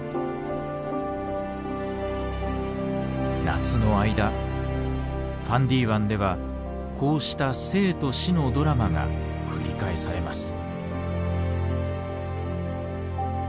夏の間ファンディ湾ではこうした生と死のドラマが繰り返されます。